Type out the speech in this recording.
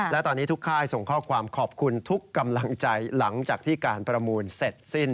และตอนนี้ทุกค่ายส่งข้อความขอบคุณทุกกำลังใจหลังจากที่การประมูลเสร็จสิ้น